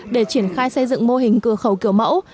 để triển khai xây dựng mô hình cửa khẩu kiểu mẫu